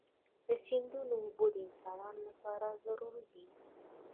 د سیندونو اوبه د انسانانو لپاره ضروري دي.